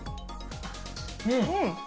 うん！